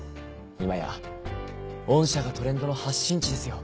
今や御社がトレンドの発信地ですよ。